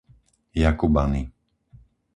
Jakubany